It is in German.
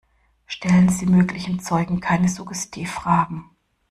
Stellen Sie möglichen Zeugen keine Suggestivfragen.